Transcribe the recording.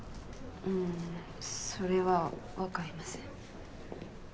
うんそれは分かりません。